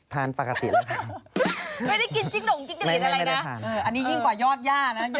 ทานประกัติแล้วค่ะ